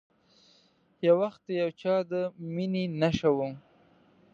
یو وخت د یو چا د میینې نښه وم